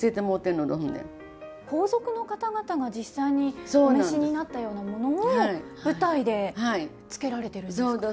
皇族の方々が実際にお召しになったようなものを舞台で着けられてるんですか？